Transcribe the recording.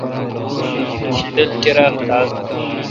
شدل کیرا خلاس بھون۔